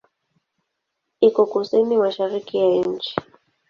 Iko kusini-mashariki ya nchi.